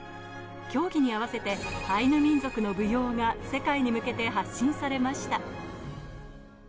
競技に合わせてアイヌ民族の舞踊が世界に向けて発信されました。